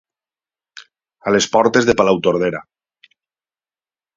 A les portes de Palautordera.